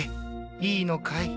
いいのかい？